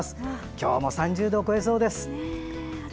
今日も３０度を超えそうです。